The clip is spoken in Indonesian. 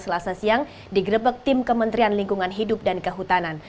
selasa siang digrebek tim kementerian lingkungan hidup dan kehutanan